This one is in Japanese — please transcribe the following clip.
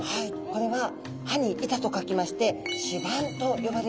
これは歯に板と書きまして歯板と呼ばれるんですね。